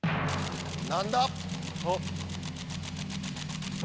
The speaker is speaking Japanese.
何だ？